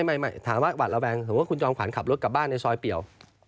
ไม่ถามว่าหวัดระแวงสมมุติคุณจอมขวัญขับรถกลับบ้านในซอยเปลี่ยว